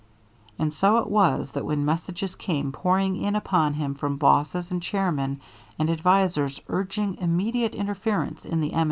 And so it was that when messages came pouring in upon him from bosses and chairmen and advisers urging immediate interference in the M.